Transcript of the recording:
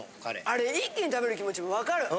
あれ一気に食べる気持ちも分かる。